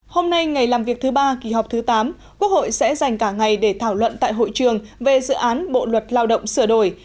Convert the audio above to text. hôm nay ngày làm việc thứ ba kỳ họp thứ tám quốc hội sẽ dành cả ngày để thảo luận tại hội trường về dự án bộ luật lao động sửa đổi